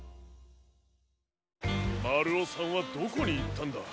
まるおさんはどこにいったんだ？